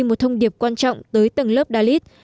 nó là một thông điệp quan trọng tới tầng lớp dalit